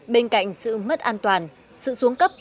bên cạnh sự mất an toàn sự xuống cấp